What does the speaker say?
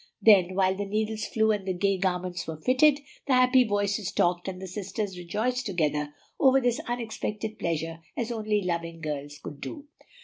Then, while the needles flew and the gay garments were fitted, the happy voices talked and the sisters rejoiced together over this unexpected pleasure as only loving girls could do.